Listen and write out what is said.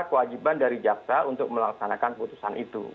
kewajiban dari jaksa untuk melaksanakan putusan itu